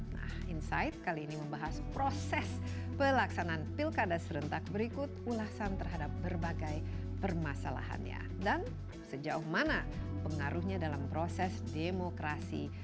nah insight kali ini membahas proses pelaksanaan pilkada serentak berikut ulasan terhadap berbagai permasalahannya dan sejauh mana pengaruhnya dalam proses demokrasi